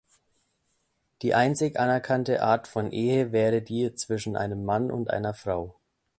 Die einzig anerkannte Art von Ehe wäre die zwischen einem Mann und einer Frau.